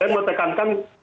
saya mau tekankan